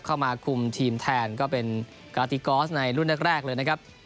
เข้ามาคุมทีมแทนก็เป็นกาติกอสในรุ่นแรกเลยนะครับ